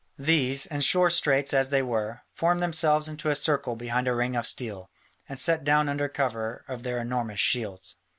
These, in sore straits as they were, formed themselves into a circle behind a ring of steel, and sat down under cover of their enormous shields.